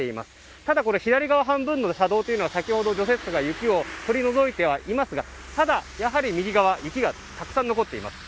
ただ、左側半分の車道は先ほど除雪車が雪を取り除いてはいますがただ、やはり右側雪がたくさん残っています。